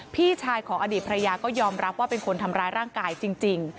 พี่ชายของอดีตภรรยาก็ยอมรับว่าเป็นคนทำร้ายร่างกายจริง